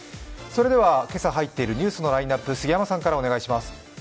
それでは、今朝入っているニュースのラインナップ、杉山さんからお願いします。